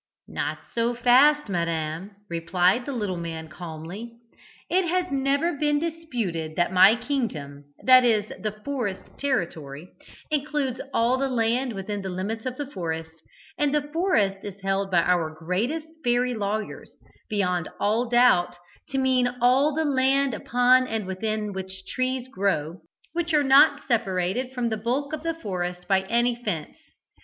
"Not so fast, madam," replied the little man, calmly. "It has never been disputed that my kingdom that is, the forest territory includes all the land within the limits of the forest, and the forest is held by our greatest fairy lawyers, beyond all doubt, to mean all the land upon and within which trees grow which are not separated from the bulk of the forest by any fence.